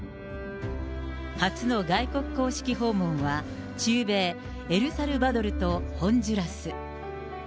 初の外国公式訪問は、中米エルサルバドルとホンジュラス。